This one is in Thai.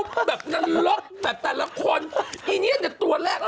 เหมือนโปรต